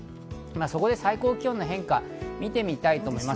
そこで最高気温の変化を見てみたいと思います。